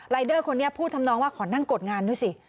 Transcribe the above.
เดอร์คนนี้พูดทำนองว่าขอนั่งกดงานด้วยสิ